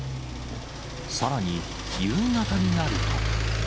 さらに、夕方になると。